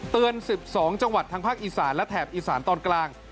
๑๒จังหวัดทางภาคอีสานและแถบอีสานตอนกลาง